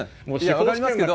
分かりますけど。